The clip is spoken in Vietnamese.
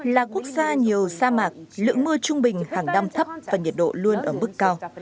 là quốc gia nhiều sa mạc lượng mưa trung bình hàng năm thấp và nhiệt độ luôn ở mức cao